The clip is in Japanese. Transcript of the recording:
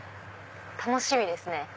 楽しみですね。